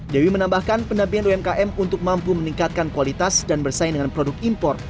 dewi menambahkan pendampingan umkm untuk mampu meningkatkan kualitas dan bersaing dengan produk impor